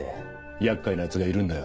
厄介なヤツがいるんだよ。